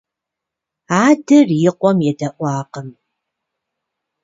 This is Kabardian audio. Адэр и къуэм едэӏуакъым.